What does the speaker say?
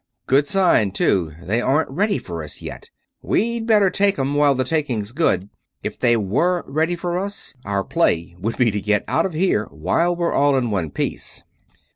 Good sign, too they aren't ready for us yet. We'd better take 'em while the taking's good. If they were ready for us, our play would be to get out of here while we're all in one piece."